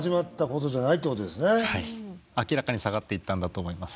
明らかに下がっていったんだと思います。